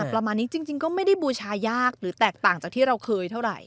ประมาณนี้จริงก็ไม่ได้บูชายากหรือแตกต่างจากที่เราเคยเท่าไหร่